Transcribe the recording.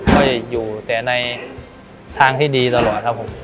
ก็อยู่แต่ในทางที่ดีตลอดครับผม